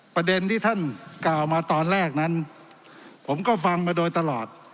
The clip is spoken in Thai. ประเด็นที่ท่านกล่าวมาตอนแรกนั้นผมก็ฟังมาโดยตลอด